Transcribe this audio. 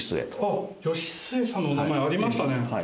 あっ義季さんのお名前ありましたね。